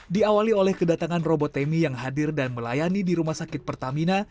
diawali oleh kedatangan robot temi yang hadir dan melayani di rumah sakit pertamina